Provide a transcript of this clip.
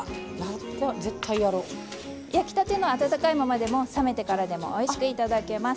焼きたての温かいままでも冷めてからでもおいしくいただけます。